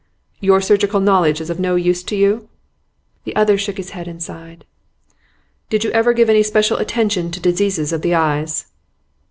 'Your surgical knowledge is no use to you?' The other shook his head and sighed. 'Did you ever give any special attention to diseases of the eyes?